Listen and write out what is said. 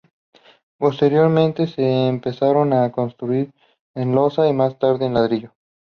Posteriormente se empezaron a construir en losa y, más tarde, en ladrillo.